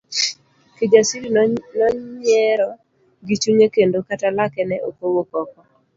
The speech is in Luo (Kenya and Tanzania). Kijasiri nonyiero gichunye kendo kata lake ne okowuok oko.